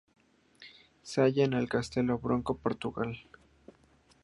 Se halla en Castelo Branco, Portugal.